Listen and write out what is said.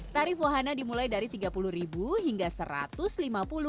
tarif wahana dimulai dari rp tiga puluh hingga rp satu ratus lima puluh